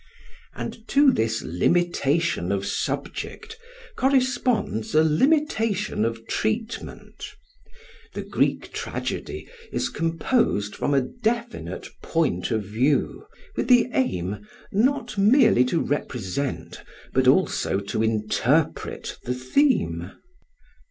And to this limitation of subject corresponds a limitation of treatment. The Greek tragedy is composed from a definite point of view, with the aim not merely to represent but also to interpret the theme.